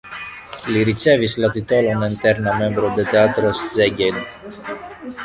Li ricevis la titolon "eterna membro de Teatro Szeged".